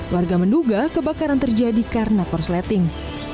warga menduga kebakaran terjadi karena korsleting